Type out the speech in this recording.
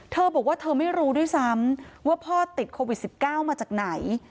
เธอบอกว่าเธอไม่รู้ด้วยซ้ำว่าพ่อติดโควิด๑๙มาจากไหน